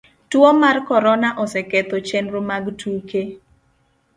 tuo mar corona oseketho chenro mag tuke